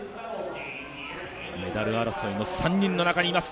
メダル争いの３人の中にいます。